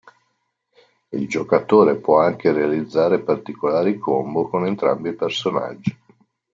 Il giocatore più anche realizzare particolari combo con entrambi i personaggi.